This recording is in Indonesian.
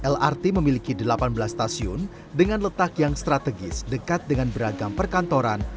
lrt memiliki delapan belas stasiun dengan letak yang strategis dekat dengan beragam perkantoran